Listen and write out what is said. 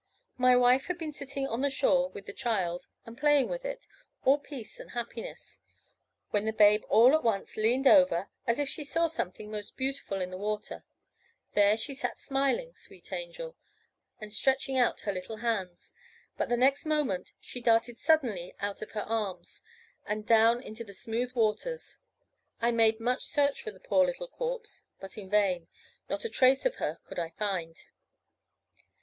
My wife had been sitting on the shore with the child, and playing with it, all peace and happiness; when the babe all at once leaned over, as if she saw something most beautiful in the water; there she sat smiling, sweet angel! and stretching out her little hands; but the next moment she darted suddenly out of her arms, and down into the smooth waters. I made much search for the poor little corpse; but in vain; not a trace of her could I find.